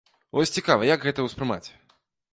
Вось цікава, як гэта ўспрымаць?